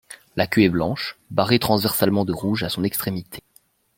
La queue est blanche barrée transversalement de rouge à son extrémité.